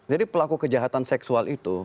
jadi pelaku kejahatan seksual itu